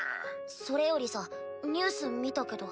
それよりさニュース見たけど。